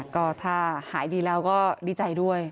ก็ถ้าหายดีแล้วก็ดีใจด้วย